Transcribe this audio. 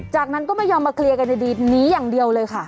จากนั้นก็ไม่ยอมมาเคลียร์กันดีหนีอย่างเดียวเลยค่ะ